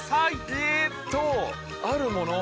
えっとあるもの。